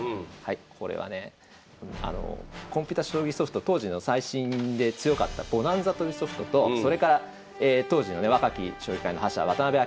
これはねコンピュータ将棋ソフト当時の最新で強かったボナンザというソフトとそれから当時のね若き将棋界の覇者渡辺明